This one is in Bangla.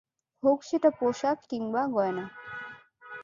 হউক সেটা পোশাক কিংবা গয়না।